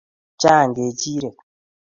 chaang kechirek